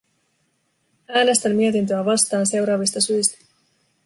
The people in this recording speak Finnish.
Äänestän mietintöä vastaan seuraavista syistä.